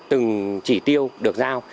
từng chỉ tiêu được giao